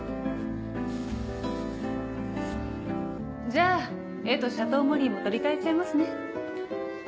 じゃあ絵とシャトーモリーも取り換えちゃいますね。